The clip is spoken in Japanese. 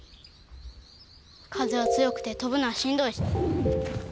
風は強くて飛ぶのはしんどいし。